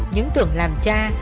những tưởng làm cha